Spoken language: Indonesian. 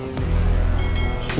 rizky enggak pernah buat masalah